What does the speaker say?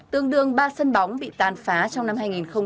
tương đương ba sân bóng bị tàn phá trong năm hai nghìn hai mươi hai